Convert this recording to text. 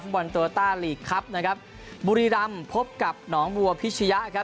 ฝั่งบอลตอลต้าลีกคับบุรีรำพบกับหนองบัวพิชยะ